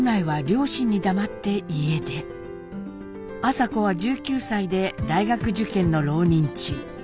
麻子は１９歳で大学受験の浪人中。